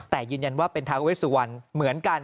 แต่ยืนยันว่าเป็นทาเวสุวรรณเหมือนกัน